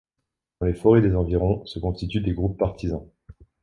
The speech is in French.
Dans les forêts des environs se constituèrent des groupes de partisans.